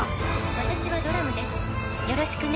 「私はドラムですよろしくね」